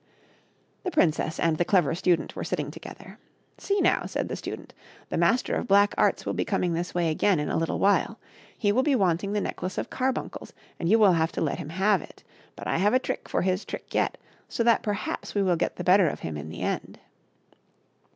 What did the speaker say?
The princess and the Clever Student were sitting together. " See, now," said the Student, " the Master of Black Arts will be coming this way again in a little while. He will be wanting the necklace of carbuncles, and you will have to let him have it. But I have a trick for his trick yet, so that perhaps we will get the better of him in the end."